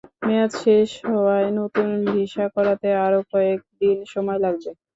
মেয়াদ শেষ হওয়ায় নতুন ভিসা করাতে আরও কয়েক দিন সময় লাগবে।